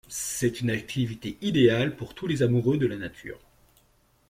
C'est une activité idéale pour tous les amoureux de la nature.